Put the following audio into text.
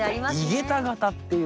井桁型っていう。